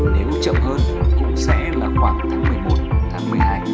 nếu chậm hơn cũng sẽ là khoảng tháng một mươi một tháng một mươi hai